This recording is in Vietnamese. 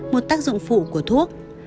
một tác dụng phụ của thuốc